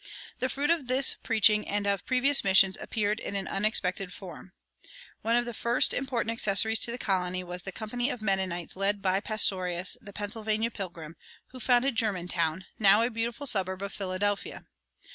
The fruit of this preaching and of previous missions appeared in an unexpected form. One of the first important accessions to the colony was the company of Mennonites led by Pastorius, the "Pennsylvania Pilgrim," who founded Germantown, now a beautiful suburb of Philadelphia.